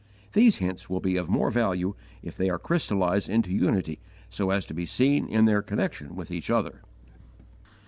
These hints will be of more value if they are crystallized into unity so as to be seen in their connection with each other.